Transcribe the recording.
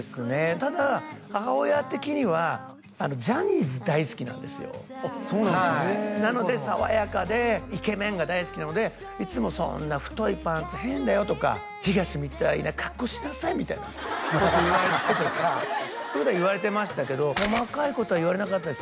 ただ母親的にはジャニーズ大好きなんですよなので爽やかでイケメンが大好きなのでいつも「そんな太いパンツ変だよ」とか「ヒガシみたいな格好しなさい」みたいなこと言われてたとかそういうのは言われてましたけど細かいことは言われなかったです